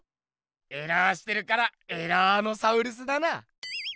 エラーしてるからエラーノサウルスだな！